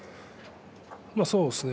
そうですね。